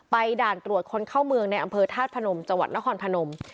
ด่านตรวจคนเข้าเมืองในอำเภอธาตุพนมจังหวัดนครพนม